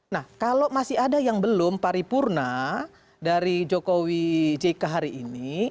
nah kalau masih ada yang belum paripurna dari jokowi jk hari ini